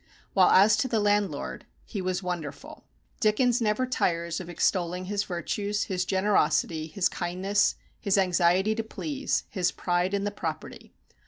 While as to the landlord he was "wonderful." Dickens never tires of extolling his virtues, his generosity, his kindness, his anxiety to please, his pride in "the property."